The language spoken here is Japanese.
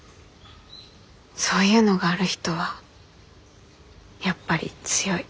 そういうのがある人はやっぱり強い。